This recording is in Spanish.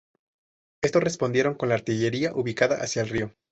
Estos respondieron con la artillería ubicada hacia el río.